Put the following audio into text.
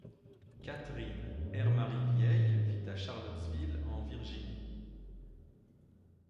Catherine Hermary-Vieille vit à Charlottesville en Virginie.